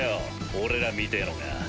俺らみてぇのが。